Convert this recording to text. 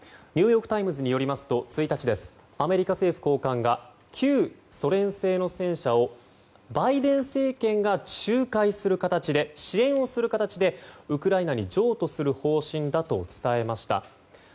ニューヨーク・タイムズによると１日、アメリカ政府高官が旧ソ連製の戦車をバイデン政権が仲介する形で支援する形でウクライナに譲渡する方針だと伝えました。